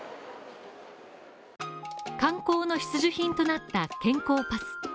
観光の必需品となった健康パス。